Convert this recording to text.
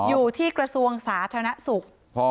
อยู่ที่กระทรวงสาธารณสุข